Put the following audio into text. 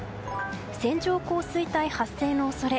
線状降水帯発生の恐れ。